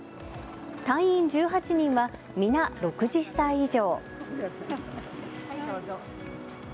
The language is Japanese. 隊員１８人は皆６０歳以上。